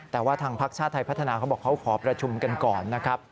แต่ว่าทางพักชาติไทยพัฒนาเขาบอกเขาขอประชุมกันก่อนนะครับ